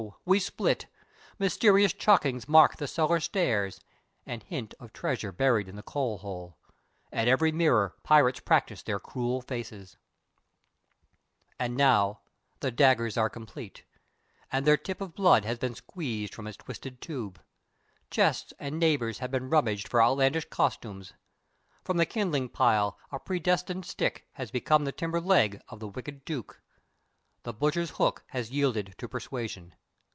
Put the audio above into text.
We split! Mysterious chalkings mark the cellar stairs and hint of treasure buried in the coal hole. At every mirror pirates practice their cruel faces. [Illustration: Innocent victims ... are forced blindfold to walk the plank] And now the daggers are complete, and their tip of blood has been squeezed from its twisted tube. Chests and neighbors have been rummaged for outlandish costumes. From the kindling pile a predestined stick has become the timber leg of the wicked Duke. The butcher's hook has yielded to persuasion.